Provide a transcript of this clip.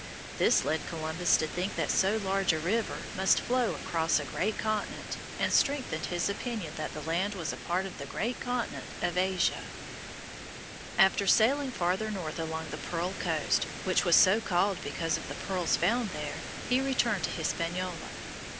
This led Columbus to think that so large a river must flow across a great continent, and strengthened his opinion that the land was a part of the great continent of Asia. [Illustration: Map Showing how Columbus Discovered America.] After sailing farther north along the Pearl Coast, which was so called because of the pearls found there, he returned to Hispaniola.